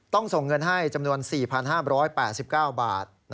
ส่งเงินให้จำนวน๔๕๘๙บาท